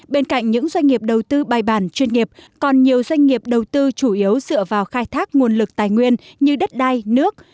bên cạnh những doanh nghiệp đầu tư bài bản chuyên nghiệp còn nhiều doanh nghiệp đầu tư chủ yếu dựa vào khai thác nguồn lực tài nguyên như đất đai nước